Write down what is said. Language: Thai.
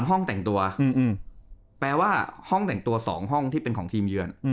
ห้องแต่งตัวแปลว่าห้องแต่งตัว๒ห้องที่เป็นของทีมเยือน